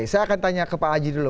saya akan tanya ke pak aji dulu